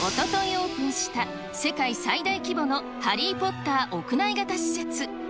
オープンした、世界最大規模のハリー・ポッター屋内型施設。